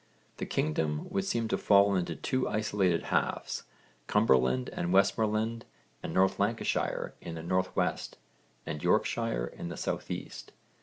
The kingdom would seem to fall into two isolated halves, Cumberland and Westmorland and North Lancashire in the north west and Yorkshire in the south east.